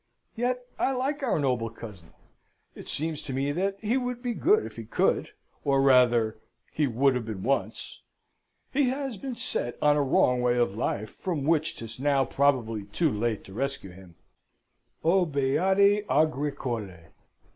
Yet I like our noble cousin. It seems to me that he would be good if he could or rather, he would have been once. He has been set on a wrong way of life, from which 'tis now probably too late to rescue him. O beati agricolae!